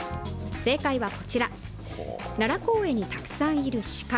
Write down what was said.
正解はこちら、奈良公園にたくさんいる鹿。